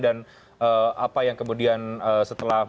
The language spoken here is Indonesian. dan apa yang kemudian setelah